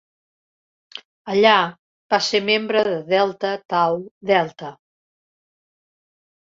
Allà, va ser membre de Delta Tau Delta.